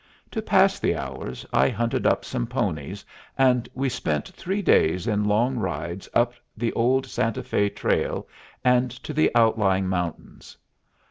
To pass the hours, I hunted up some ponies, and we spent three days in long rides up the old Santa Fé trail and to the outlying mountains.